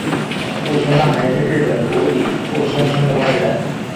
复兴大臣是日本主理复兴厅的官员。